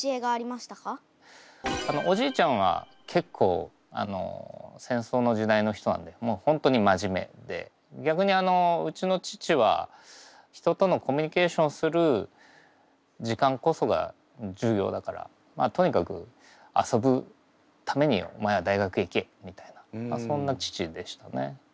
おじいちゃんは結構戦争の時代の人なのでホントに真面目でぎゃくにうちの父は人とのコミュニケーションする時間こそが重要だからとにかく遊ぶためにお前は大学へ行けみたいなそんな父でしたね。